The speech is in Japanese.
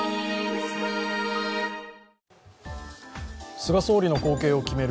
菅総理の後継を決める